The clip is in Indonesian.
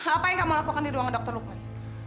apa yang kamu lakukan di ruangan dr lukman